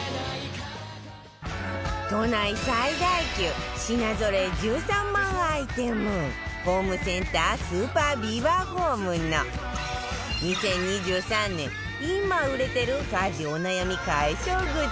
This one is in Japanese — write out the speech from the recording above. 都内最大級品ぞろえ１３万アイテムホームセンタースーパービバホームの２０２３年今売れてる家事お悩み解消グッズ